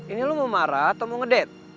ini lo mau marah atau mau ngedet